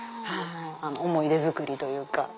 思い出作りというか。